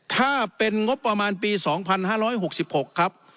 ถ้าเป็นงบประมาณปี๒๕๖๖ครับ